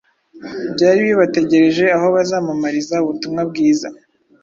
byari bibategereje aho bazamamariza ubutumwa bwiza.